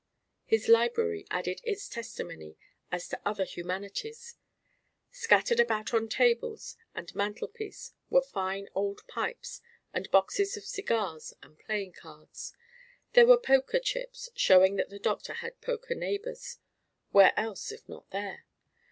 His library added its testimony as to other humanities. Scattered about on tables and mantel piece were fine old pipes and boxes of cigars and playing cards. There were poker chips, showing that the doctor had poker neighbors (where else if not there?)